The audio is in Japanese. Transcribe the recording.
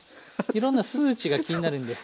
いろんな数値が気になるんで。